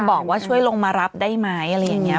บอกว่าช่วยลงมารับได้ไหมอะไรอย่างนี้